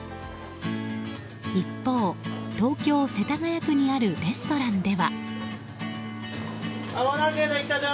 一方、東京・世田谷区にあるレストランでは。